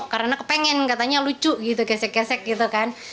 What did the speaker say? karena kepengen katanya lucu gitu kesek kesek gitu kan